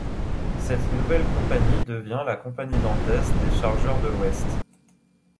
Cette nouvelle compagnie devient la Compagnie Nantaise des Chargeurs de l'Ouest.